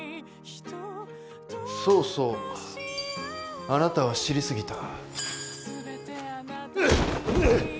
そうそうあなたは知りすぎた。